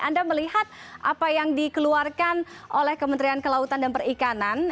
anda melihat apa yang dikeluarkan oleh kementerian kelautan dan perikanan